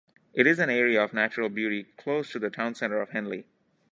It is an area of natural beauty close to the town centre of Henley.